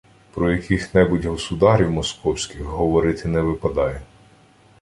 Про яких-небудь «государів московських» говорити не випадає